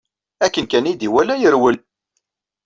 Akken kan i yi-d-iwala, yerwel!